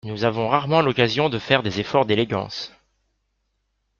Nous avons rarement l’occasion de faire des efforts d’élégance.